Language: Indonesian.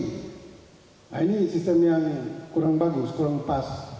nah ini sistemnya kurang bagus kurang pas